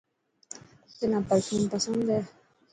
تنا پرفيوم پسند هي.